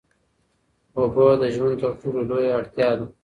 اوبه د ژوند تر ټولو لویه اړتیا ده.